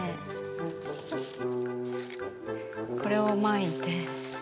これをまいて。